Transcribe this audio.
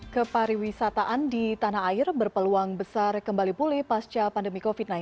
kepariwisataan di tanah air berpeluang besar kembali pulih pasca pandemi covid sembilan belas